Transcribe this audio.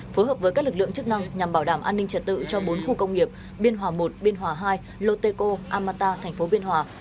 phối hợp với các lực lượng chức năng nhằm bảo đảm an ninh trật tự cho bốn khu công nghiệp biên hòa i biên hòa ii lô tê cô amata tp biên hòa